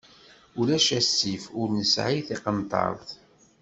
Ulac asif, ur nesɛi tiqenṭeṛt.